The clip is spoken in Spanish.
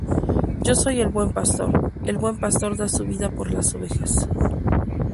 Yo soy el buen pastor; el buen pastor da su vida por las ovejas.